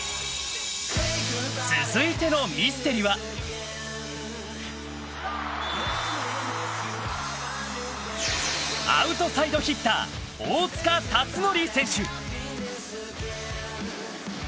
続いてのミステリはアウトサイドヒッター大塚達宣選手。